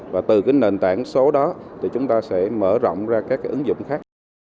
và từ cái nền tảng số đó thì chúng ta sẽ mở rộng ra các ứng dụng khác